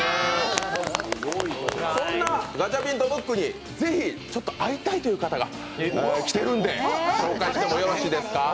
そんなガチャピンとムックにぜひ会いたいという方が来ているので、紹介してもよろしいですか？